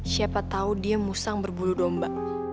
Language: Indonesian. siapa tahu dia musang berbulu domba